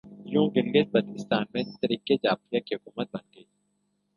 یوں گلگت بلتستان میں تحریک جعفریہ کی حکومت بن گئی